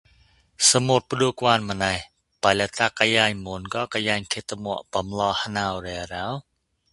သၟတ်ပ္ဍဲကွာန်မၞးဗိုက်လ္တက်ကယျိုင်မန်ကဵုကယျိုင်ခေတ်တၟိ ဗီုလဵုနှဴရဴရော?